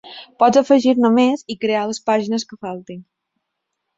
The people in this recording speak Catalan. Pots afegir-ne més i crear les pàgines que faltin.